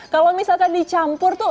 kalau misalkan dicampur itu